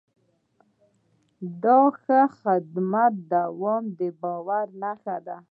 د ښه خدمت دوام د باور نښه ده.